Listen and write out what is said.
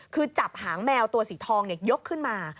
คือจับหางแมวตัวสีทองยกขึ้นมา